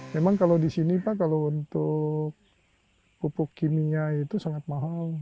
memang kalau di sini pak kalau untuk pupuk kimia itu sangat mahal